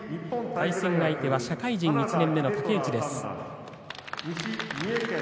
対戦相手は社会人１年目の竹内です。